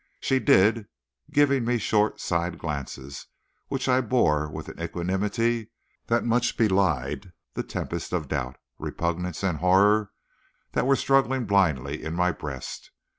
She did, giving me short side glances, which I bore with an equanimity that much belied the tempest of doubt, repugnance and horror that were struggling blindly in my breast.